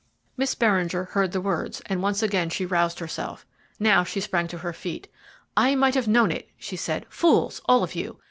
Miss Beringer heard the words, and once again she roused herself. Now she sprang to her feet. "I might have known it," she said. "Fools! all of you!